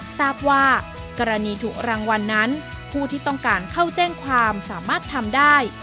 ทราบว่ากรณีถูกรางวัลนั้นผู้ที่ต้องการเข้าแจ้งความสามารถทำได้